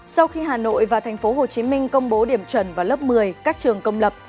sau khi hà nội và tp hcm công bố điểm chuẩn vào lớp một mươi các trường công lập